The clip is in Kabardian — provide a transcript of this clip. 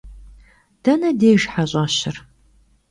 Dene dêjj heş'eşır?